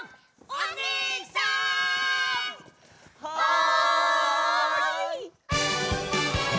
はい！